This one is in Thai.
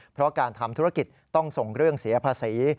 เพราะการทำธุรกิจต้องส่งเรื่องเสียภาษี